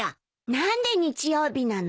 何で日曜日なの？